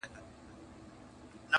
• اوس و خپلو ته پردی او بېګانه دی..